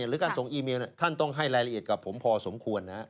หรือการส่งอีเมลท่านต้องให้รายละเอียดกับผมพอสมควร